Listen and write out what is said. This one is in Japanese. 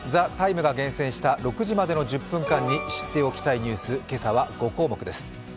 「ＴＨＥＴＩＭＥ，」が厳選した６時までの１０分間に知っておきたいニュース、今朝は５項目です。